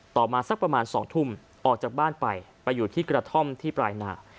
มาสักประมาณ๒ทุ่มออกจากบ้านไปไปอยู่ที่กระท่อมที่ปลายนา